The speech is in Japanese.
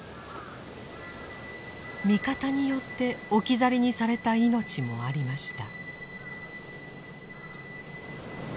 味方によって置き去りにされた命もありました。